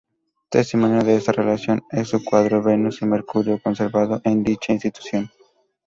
Testimonio de esta relación es su cuadro "Venus y Mercurio", conservado en dicha institución.